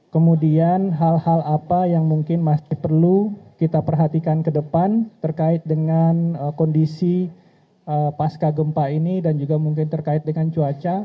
kemudian hal hal apa yang mungkin masih perlu kita perhatikan ke depan terkait dengan kondisi pasca gempa ini dan juga mungkin terkait dengan cuaca